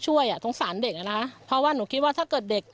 อ่ะสงสารเด็กอ่ะนะเพราะว่าหนูคิดว่าถ้าเกิดเด็ก